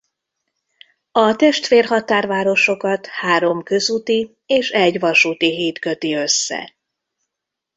A testvér határvárosokat három közúti és egy vasúti híd köti össze.